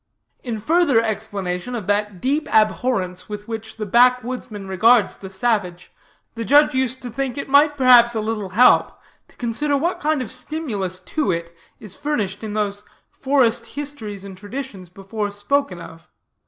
"In further explanation of that deep abhorrence with which the backwoodsman regards the savage, the judge used to think it might perhaps a little help, to consider what kind of stimulus to it is furnished in those forest histories and traditions before spoken of.